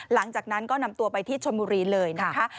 หลังจากนั้นก็นำตัวไปที่ชนบุรีเลยนะคะ